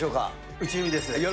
内海です。